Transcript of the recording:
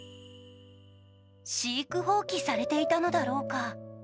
飼育放棄されていたのだろうか。